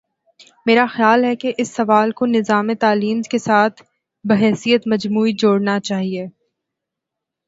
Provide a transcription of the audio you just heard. میرا خیال ہے کہ اس سوال کو نظام تعلیم کے ساتھ بحیثیت مجموعی جوڑنا چاہیے۔